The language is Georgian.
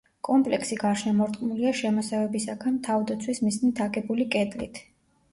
კომპლექსი გარშემორტყმულია შემოსევებისაგან თავდაცვის მიზნით აგებული კედლით.